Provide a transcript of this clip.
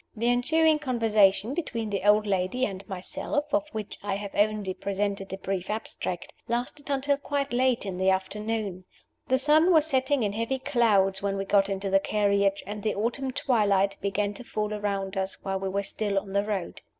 The ensuing conversation between the old lady and myself (of which I have only presented a brief abstract) lasted until quite late in the afternoon. The sun was setting in heavy clouds when we got into the carriage, and the autumn twilight began to fall around us while we were still on the road.